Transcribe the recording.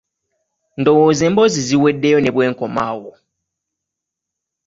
Ndowooza emboozi ziweddeyo ne bwe nkoma awo?